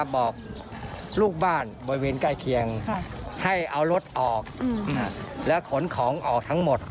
บอกลูกบ้านบริเวณใกล้เคียงให้เอารถออกและขนของออกทั้งหมด